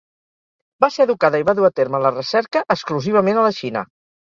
Va ser educada i va dur a terme la recerca exclusivament a la Xina.